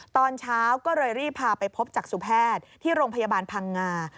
ตอนเช้าก็เลยรีบพาไปพบจักษุแพทย์ที่โรงพยาบาลพังงา